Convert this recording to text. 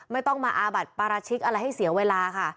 ไม่ต้องมาอาบัติปราชิกอะไรให้เสียเวลาค่ะ